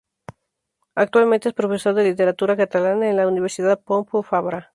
Actualmente es profesor de literatura catalana en la Universidad Pompeu Fabra.